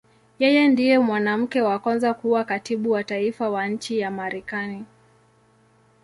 Yeye ndiye mwanamke wa kwanza kuwa Katibu wa Taifa wa nchi ya Marekani.